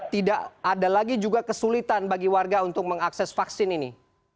tidak ada lagi juga kesulitan bagi warga untuk mengakses vaksin ini